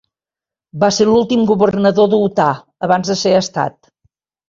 Va ser l'últim governador de Utah abans de ser estat.